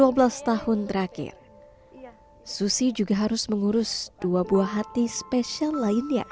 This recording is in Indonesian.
dua belas tahun terakhir susi juga harus mengurus dua buah hati spesial lainnya